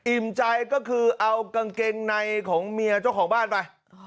ใจก็คือเอากางเกงในของเมียเจ้าของบ้านไป